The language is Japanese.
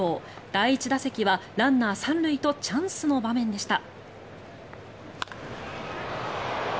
第１打席はランナー３塁とチャンスの場面でした。